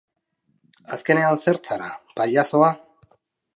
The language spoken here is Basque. Azkenean zer zara, pailazoa?